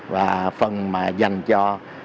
và phần mà dành cho